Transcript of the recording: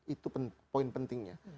itu poin pentingnya